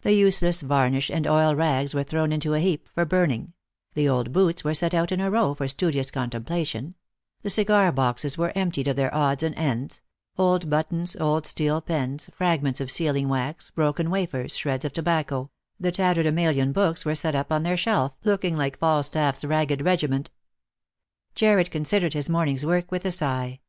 The useless varnish and oil rags were thrown into a heap for burning ; the old boots were set out in a row for studious contemplation ; the cigar boxes were emptied of their odds and ends — old buttons, old steel pens, fragments of sealing wax, broken wafers, shreds of tobacco ; the tatterdemalion books were set up on their shelf, looking like Falstaff 's ragged regiment. Jarred considered his morning's work with a sigh.